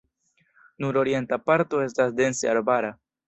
Nur orienta parto estas dense arbara.